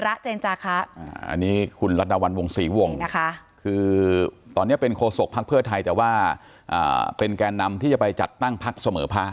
เจนจาคะอันนี้คุณรัฐดาวันวงศรีวงศ์นะคะคือตอนนี้เป็นโคศกภักดิ์เพื่อไทยแต่ว่าเป็นแกนนำที่จะไปจัดตั้งพักเสมอพัก